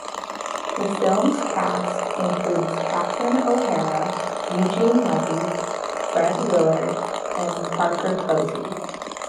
The film's cast includes Catherine O'Hara, Eugene Levy, Fred Willard, and Parker Posey.